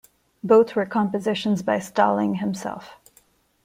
Both were compositions by Stalling himself.